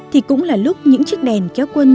thì cũng là lúc những chiếc đèn kéo quân